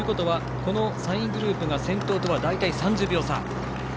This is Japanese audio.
３位グループが、先頭とは大体３０秒差。